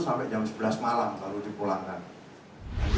sepuluh tiga puluh sampai jam sebelas malam kalau dipulangkan